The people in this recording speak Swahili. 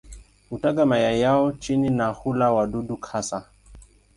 Hutaga mayai yao chini na hula wadudu hasa.